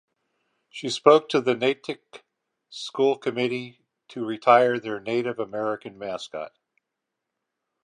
She spoke to the Natick School Committee to retire their Native American mascot.